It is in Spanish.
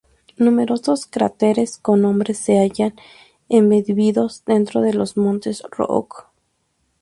Numerosos cráteres con nombre se hallan embebidos dentro de los Montes Rook.